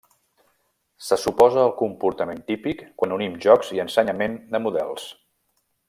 Se suposa el comportament típic quan unim jocs i ensenyament de models.